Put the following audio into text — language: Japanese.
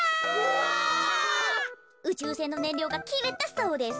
うちゅうせんのねんりょうがきれたそうです。